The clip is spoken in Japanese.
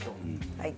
はい。